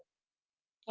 kira kira begitu pak busman